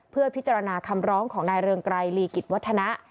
เพื่อพิจารณาคำร้องของนายเรืองไกรลีกิจวัฒนะ